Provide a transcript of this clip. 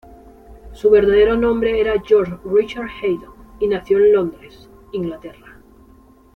Su verdadero nombre era George Richard Haydon, y nació en Londres, Inglaterra.